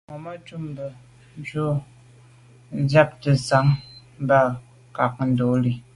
Màmá cúp mbə̌ bū jáptə́ cāŋ tɔ̌ bā ŋká ndɔ̌lī.